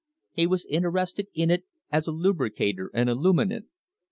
He was interested in it as a lubricator and a luminant.